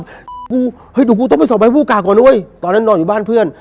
แบบกูเฮ้ยหลอกกูต้องไปสอบใบผู้กาก่อนด้วยตอนนั้นน่อยอยู่บ้านเพื่อน